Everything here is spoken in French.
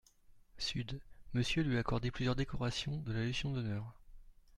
sud Monsieur lui a accordé plusieurs décorations de la légion d'honneur.